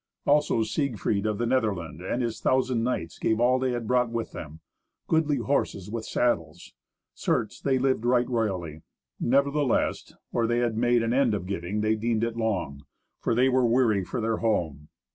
Also Siegfried of the Netherland and his thousand knights gave all that they had brought with them—goodly horses with saddles. Certes, they lived right royally. Nevertheless, or they had made an end of giving, they deemed it long; for they were weary for their home.